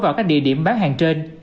vào các địa điểm bán hàng trên